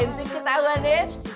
entik ketauan ee